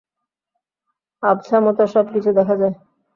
আবছামতো সব কিছু দেখা যায়।